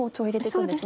そうです。